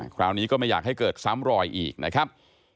คราวนี้ก็ไม่อยากให้เกิดซ้ำรอยอีกนะครับ